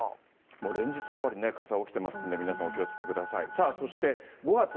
連日やっぱり、火災起きてますんで、皆さん、お気をつけください。